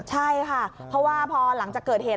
ใช่ค่ะเพราะว่าพอหลังจากเกิดเหตุ